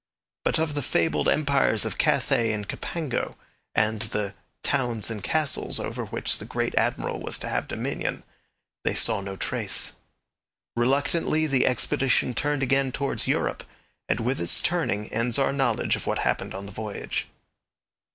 But of the fabled empires of Cathay and Cipango, and the 'towns and castles' over which the Great Admiral was to have dominion, they saw no trace. Reluctantly the expedition turned again towards Europe, and with its turning ends our knowledge of what happened on the voyage.